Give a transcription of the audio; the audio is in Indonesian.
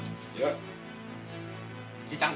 kita akan menang